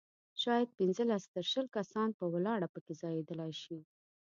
شاید پنځلس تر شل کسان په ولاړه په کې ځایېدلای شي.